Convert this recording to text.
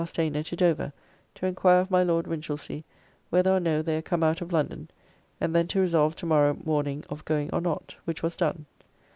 Stayner to Dover, to enquire of my Lord Winchelsea, whether or no they are come out of London, and then to resolve to morrow morning of going or not; which was done.